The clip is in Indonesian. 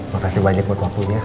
makasih banyak buat waktunya